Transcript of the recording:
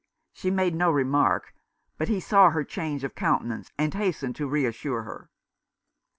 She made no remark, but he saw her change of countenance and hastened to reassure her.